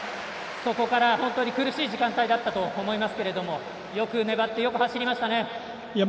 そこから本当に苦しい時間帯だったと思いますけどよく粘って、よく走りましたね。